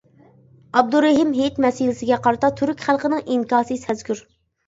ئابدۇرەھىم ھېيت مەسىلىسىگە قارىتا تۈرك خەلقىنىڭ ئىنكاسى سەزگۈر.